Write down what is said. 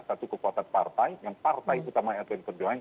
satu kekuatan partai yang partai utama yang terjuang